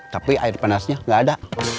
tapi air penasnya gak ada